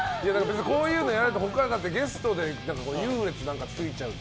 こういうのやられるとゲストで優劣ついちゃうと。